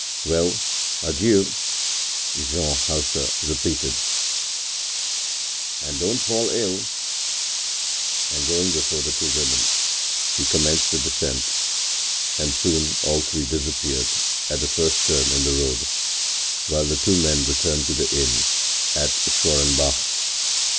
“Well, adieu,” Jean Hauser repeated, “and don't fall ill.” And going before the two women, he commenced the descent, and soon all three disappeared at the first turn in the road, while the two men returned to the inn at Schwarenbach.